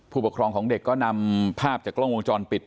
ผู้ปกครองของเด็กก็นำภาพจากกล้องวงจรปิด